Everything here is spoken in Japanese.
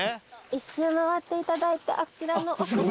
一周回っていただいてあちらの奥の方。